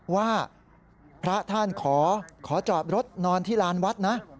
ว่าพระท่านขอจอดรถนอนที่ลานวัดนะ